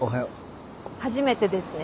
初めてですね